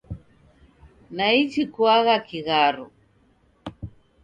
Naichi kuagha kigharo